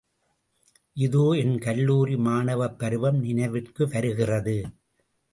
இதோ என் கல்லூரி மாணவப் பருவம் நினைவிற்கு வருகிறது.